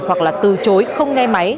hoặc là từ chối không nghe máy